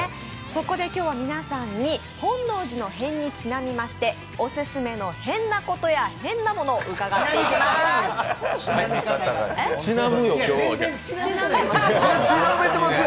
そこで今日は皆さんに本能寺の変にちなみましてオススメの変なことや変なものを伺っていきまーす。